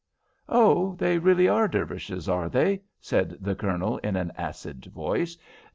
"Oh, they really are Dervishes, are they?" said the Colonel, in an acid voice.